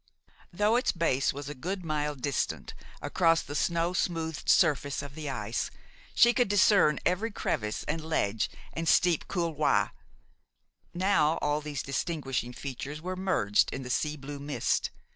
Though its base was a good mile distant across the snow smoothed surface of the ice, she could discern every crevice and ledge and steep couloir. Now, all these distinguishing features were merged in the sea blue mist.